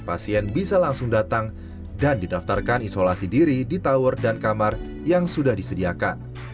pasien bisa langsung datang dan didaftarkan isolasi diri di tower dan kamar yang sudah disediakan